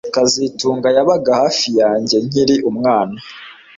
kazitunga yabaga hafi yanjye nkiri umwana